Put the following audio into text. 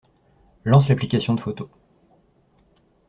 Lance l'application de photo